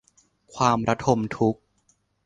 ความระทมทุกข์